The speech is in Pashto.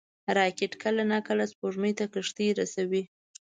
راکټ کله ناکله سپوږمۍ ته کښتۍ رسوي